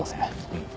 うん。